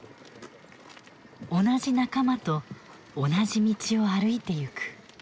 同じ仲間と同じ道を歩いてゆく。